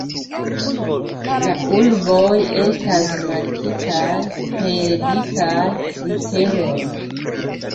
La urboj estas markitaj per dikaj literoj.